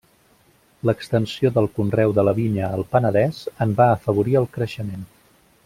L'extensió del conreu de la vinya al Penedès en va afavorir el creixement.